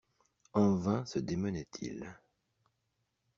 En vain se démenaient-ils.